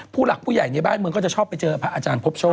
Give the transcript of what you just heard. ผู้หลักผู้ใหญ่ในบ้านเมืองก็จะชอบไปเจอพระอาจารย์พบโชค